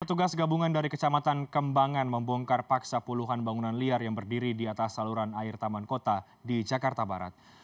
petugas gabungan dari kecamatan kembangan membongkar paksa puluhan bangunan liar yang berdiri di atas saluran air taman kota di jakarta barat